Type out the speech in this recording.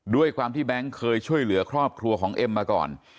ด้วยความที่แบงค์เคยช่วยเหลือครอบครัวของเอ็มมาก่อน